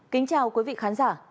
kính chào quý vị khán giả